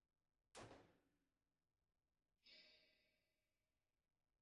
Waarmenia ambao wanaoishi Uturuki walitoroka kufungamana na